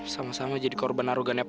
sama sama jadi korban arogannya